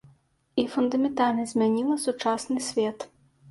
І фундаментальна змяніла сучасны свет.